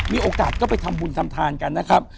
มีโอกาสก็ไปทำบุญทำทานกันนะครับ